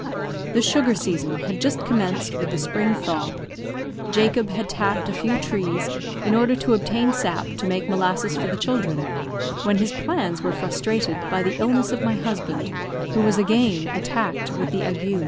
The sugar season had just commenced with the spring thaw; Jacob had tapped a few trees in order to obtain sap to make molasses for the children, when his plans were frustrated by the illness of my husband, who was again attacked with the ague.